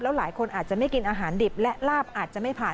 หลายคนอาจจะไม่กินอาหารดิบและลาบอาจจะไม่ผ่าน